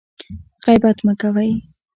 غیبت مه کوئ